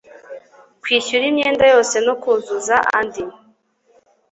kwishyura imyenda yose no kuzuza andi